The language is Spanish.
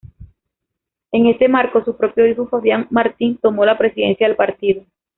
En este marco, su propio hijo Fabián Martín tomó la presidencia del partido.